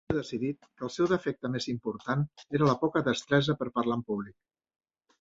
Havia decidit que el seu defecte més important era la poca destresa per parlar en públic.